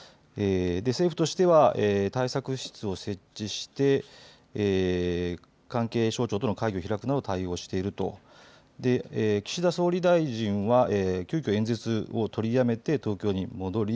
政府としては対策室を設置して関係省庁との会議を開くなど対応していると岸田総理大臣は急きょ演説を取りやめて東京に戻り